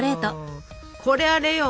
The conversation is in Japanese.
これあれよ！